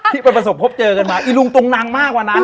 ไปประสบพบเจอกันมาอีลุงตุงนังมากกว่านั้น